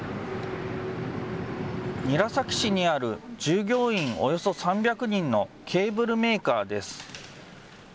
韮崎市にある、従業員およそ３００人のケーブルメーカーです。